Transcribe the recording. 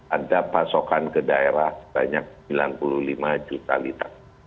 ada pasokan ke daerah sebanyak sembilan puluh lima juta liter